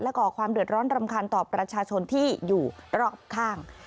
ก่อความเดือดร้อนรำคาญต่อประชาชนที่อยู่รอบข้าง